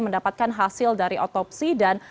mendapatkan hasil dari otopsi dan